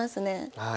はい。